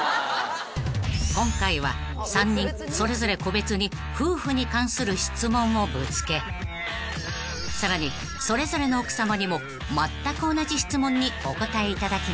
［今回は３人それぞれ個別に夫婦に関する質問をぶつけさらにそれぞれの奥さまにもまったく同じ質問にお答えいただきました］